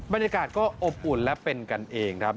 บรรยากาศก็อบอุ่นและเป็นกันเองครับ